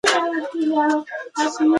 د پاڼې په رګونو کې نور څه نه وو پاتې.